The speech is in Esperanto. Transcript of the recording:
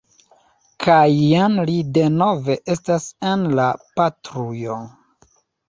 Kaj jen li denove estas en la patrujo.